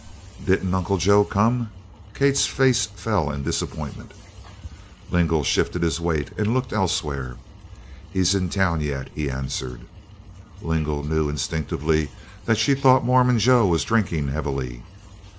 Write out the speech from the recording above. "Didn't Uncle Joe come?" Kate's face fell in disappointment. Lingle shifted his weight and looked elsewhere. "He's in town yet," he answered. Lingle knew instinctively that she thought Mormon Joe was drinking heavily.